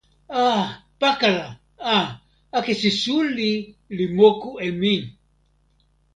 a! pakala! a! akesi suli li moku e mi!